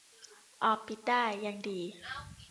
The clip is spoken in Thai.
อ่อ ปิดได้ ยังดี